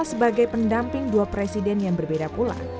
sebagai pendamping dua presiden yang berbeda pula